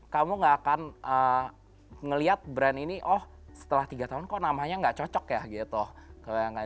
kamu gak akan ngelihat brand ini oh setelah tiga tahun kok namanya gak cocok ya gitu